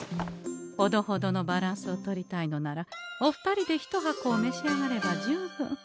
ほどほどのバランスをとりたいのならお二人で一箱めし上がれば十分。